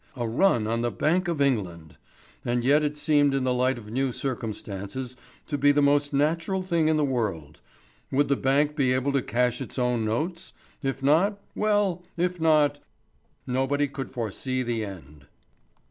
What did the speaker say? A run on the Bank of England! And yet it seemed in the light of new circumstances to be the most natural thing in the world. Would the bank be able to cash its own notes? If not well, if not nobody could foresee the end.